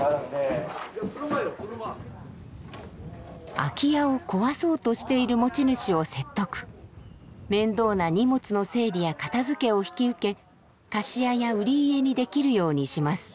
空き家を壊そうとしている持ち主を説得面倒な荷物の整理や片づけを引き受け貸家や売り家にできるようにします。